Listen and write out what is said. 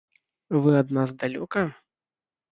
Вы ад нас далёка?